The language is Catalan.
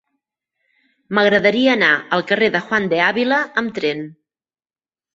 M'agradaria anar al carrer de Juan de Ávila amb tren.